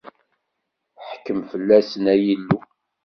Ḥkem fell-asen, ay Illu.